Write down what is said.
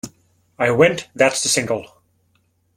I went, That's the single!